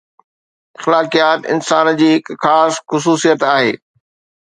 اخلاقيات انسان جي هڪ خاص خصوصيت آهي